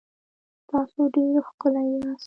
تاسو ډېر ښکلي یاست